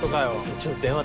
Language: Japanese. ちょっと電話だけ。